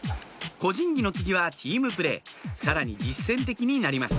個人技の次はチームプレーさらに実践的になります